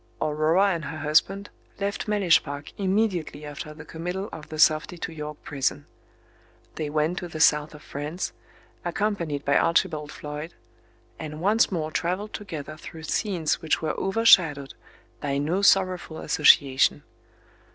Aurora and her husband left Mellish Park immediately after the committal of the softy to York prison. They went to the south of France, accompanied by Archibald Floyd, and once more travelled together through scenes which were overshadowed by no sorrowful association.